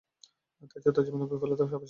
তাই ছাত্রজীবনের বিফলতা আসা স্বাভাবিক।